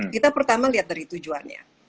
kita pertama lihat dari tujuannya